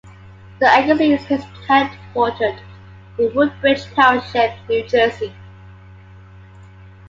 The agency is headquartered in Woodbridge Township, New Jersey.